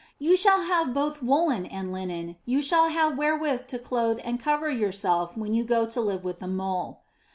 "You shall have both woolen and linen, you shall have wherewith to clothe and cover yourself when you go to live with the Mole."